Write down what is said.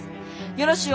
よろしゅう